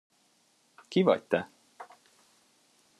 Ki vagy te?